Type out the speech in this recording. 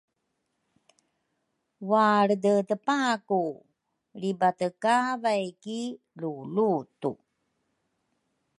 walredepaku lribate kavay ki lulutu.